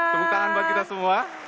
tepuk tangan bagi kita semua